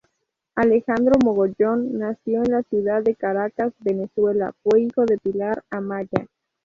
Alejandro Mogollón nació en la ciudad de Caracas, Venezuela, fue hijo de Pilar Amaya.